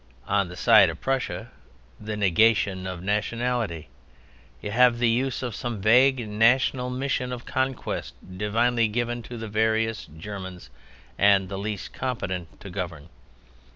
On the side of Prussia (the negation of nationality) you have the use of some vague national mission of conquest divinely given to the very various Germans and the least competent to govern.